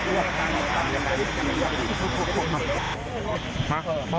เราจะคุยแน่ใจเรื่องชีวิตให้เห็น